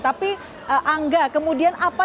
tapi angga kemudian apa